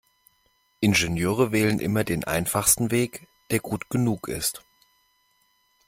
Ingenieure wählen immer den einfachsten Weg, der gut genug ist.